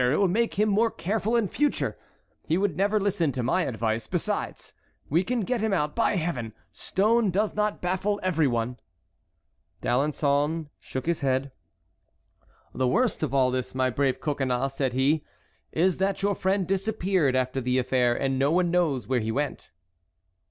It will make him more careful in future. He never would listen to my advice; besides, we can get him out, by Heaven! Stone does not baffle every one." D'Alençon shook his head. "The worst of all this, my brave Coconnas," said he, "is that your friend disappeared after the affair, and no one knows where he went."